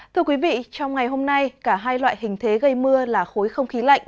thưa quý vị trong ngày hôm nay cả hai loại hình thế gây mưa là khối không khí lạnh